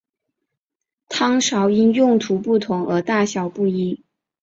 汤勺因用途不同而大小不一。